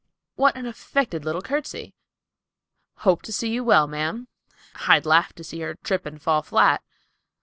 "—"What an affected little courtesy!"—"Hope to see you well, ma'am."—"I'd laugh to see her trip and fall flat."